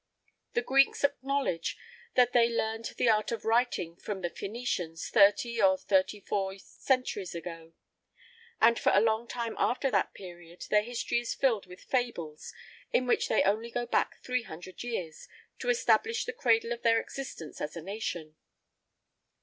The Greeks acknowledge that they learned the art of writing from the Phœnicians thirty or thirty four centuries ago; and for a long time after that period their history is filled with fables, in which they only go back three hundred years to establish the cradle of their existence as a nation.